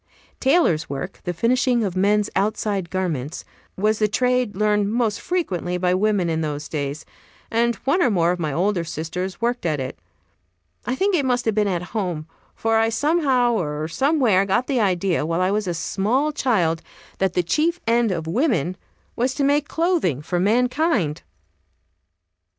Tailor's work the finishing of men's outside garments was the trade learned most frequently by women in those days, and one or more of my older sisters worked at it; I think it must have been at home, for I somehow or somewhere got the idea, while I was a small child, that the chief end of woman was to make clothing for mankind.